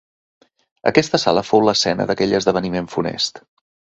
Aquesta sala fou l'escena d'aquell esdeveniment funest.